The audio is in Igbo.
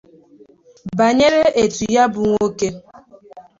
banyere etu ya bụ nwoke